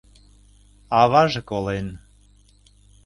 Аваже колен...